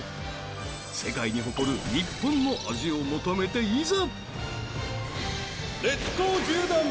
世界に誇る日本の味を求めていざ！